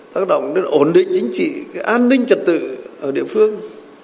tác động đến ổn định chính trị an ninh trật tự ở địa phương